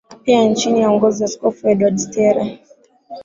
Pia chini ya uongozi wa Askofu Edward Steere